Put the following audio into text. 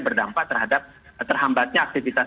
berdampak terhadap terhambatnya